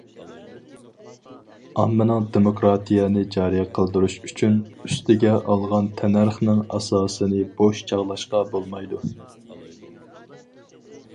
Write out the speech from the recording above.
ئاممىنىڭ دېموكراتىيەنى جارى قىلدۇرۇش ئۈچۈن، ئۈستىگە ئالغان تەننەرخنىڭ ئاساسىنى بوش چاغلاشقا بولمايدۇ.